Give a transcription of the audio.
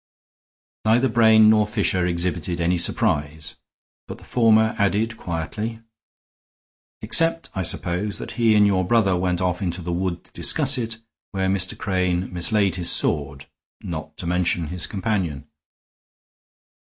Neither Brain nor Fisher exhibited any surprise, but the former added, quietly: "Except, I suppose, that he and your brother went off into the wood to discuss it, where Mr. Crane mislaid his sword, not to mention his companion."